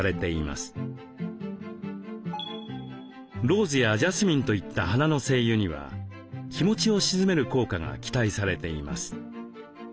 ローズやジャスミンといった花の精油には気持ちを静める効果が期待されています。